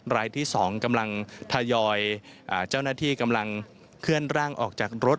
รายที่๒กำลังทยอยเจ้าหน้าที่กำลังเคลื่อนร่างออกจากรถ